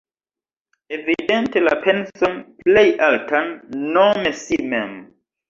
Evidente la penson plej altan, nome si mem.